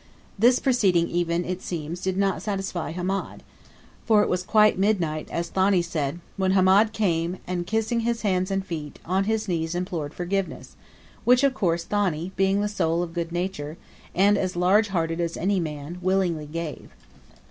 This proceeding even, it seems, did not satisfy Hamed, for it was quite midnight as Thani said when Hamed came, and kissing his hands and feet, on his knees implored forgiveness, which of course Thani, being the soul of good nature, and as large hearted as any man, willingly gave.